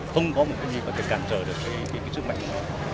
không có một cái gì mà phải cản trở được cái sức mạnh của nó